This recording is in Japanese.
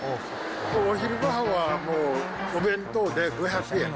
お昼ごはんは、もうお弁当で５００円。